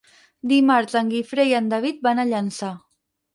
Dimarts en Guifré i en David van a Llançà.